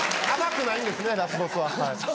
甘くないんですねラスボスは。